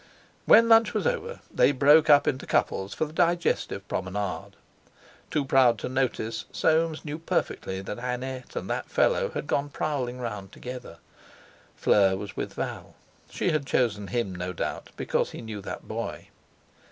When lunch was over they broke up into couples for the digestive promenade. Too proud to notice, Soames knew perfectly that Annette and that fellow had gone prowling round together. Fleur was with Val; she had chosen him, no doubt, because he knew that boy.